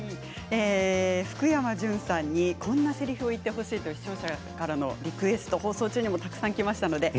福山潤さんにこんなせりふを言ってほしいと視聴者からのリクエスト放送中にもたくさんきました。